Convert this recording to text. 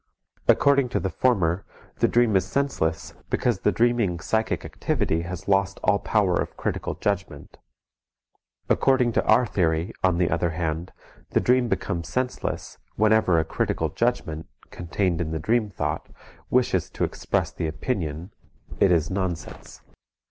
According to the former, the dream is senseless because the dreaming psychic activity has lost all power of critical judgment; according to our theory, on the other hand, the dream becomes senseless, whenever a critical judgment, contained in the dream thought, wishes to express the opinion: "It is nonsense."